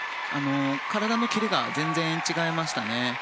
体のキレが全然違いましたね。